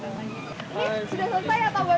hmm siapa takut